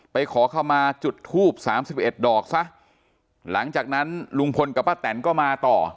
ไปขอเข้ามาจุดภูมิ๓๑ดอกซะหลังจากนั้นลุงพลกับป้าแต่นก็มาต่อ